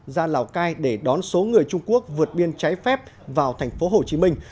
ra lào cai để đón số người trung quốc vượt biên trái phép vào thành phố hồ chí minh